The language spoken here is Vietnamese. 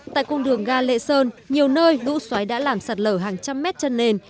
tại cung đường gà lệ sơn nhiều nơi đũ xoáy đã làm sạt lở hàng trăm mét chân nền